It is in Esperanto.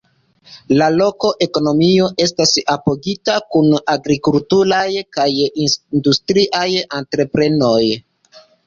La loka ekonomio estas apogita kun agrikulturaj kaj industriaj entreprenoj.